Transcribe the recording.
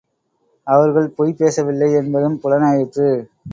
அவர்கள் பொய் பேசவில்லை யென்பதும் புலனாயிற்று.